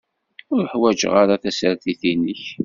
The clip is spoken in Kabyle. Ur ḥwaǧeɣ ara tasertit-inek.